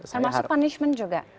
termasuk punishment juga